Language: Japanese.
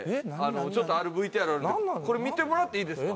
ちょっとあるＶＴＲをこれ見てもらっていいですか。